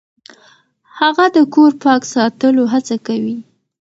هغه د کور پاک ساتلو هڅه کوي.